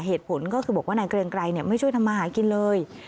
เหตุผลก็คือบอกว่านายเกรงไกรไม่ช่วยทำมาหากินเลย